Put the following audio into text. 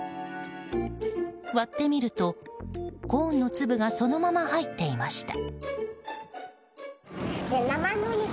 割ってみると、コーンの粒がそのまま入っていました。